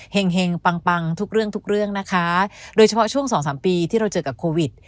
แห่งปังปังทุกเรื่องทุกเรื่องนะคะโดยเฉพาะช่วงสองสามปีที่เราเจอกับโควิด